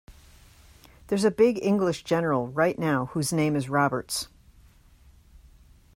There's a big English general right now whose name is Roberts.